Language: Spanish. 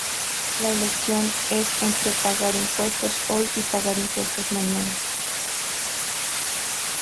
La elección es entre pagar impuestos hoy o pagar impuestos mañana.